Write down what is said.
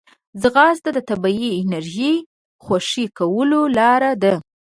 ځغاسته د طبیعي انرژۍ خوشې کولو لاره ده